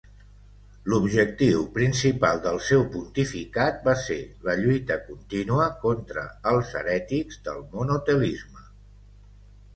L'objectiu principal del seu pontificat va ser la lluita contínua contra els herètics del monotelisme.